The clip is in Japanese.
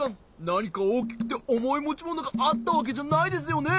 なにかおおきくておもいもちものがあったわけじゃないですよね？